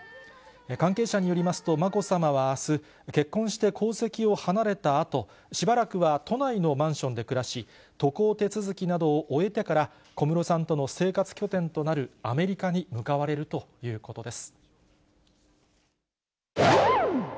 関係者によりますと、まこさまはあす、結婚して皇籍を離れたあと、しばらくは都内のマンションで暮らし、渡航手続きなどを終えてから、小室さんとの生活拠点となるアメリカに向かわれるということです。